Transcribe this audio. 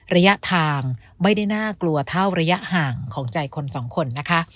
ระยะทางไม่ได้น่ากลัวเท่าระยะห่างของใจคนสองคนนะคะ